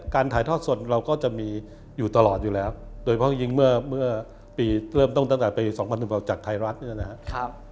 ถ่ายทอดสดเราก็จะมีอยู่ตลอดอยู่แล้วโดยเพราะจริงเมื่อปีเริ่มต้นตั้งแต่ปี๒๐๑๖จากไทยรัฐเนี่ยนะครับ